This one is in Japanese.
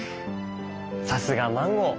さすがマンゴー。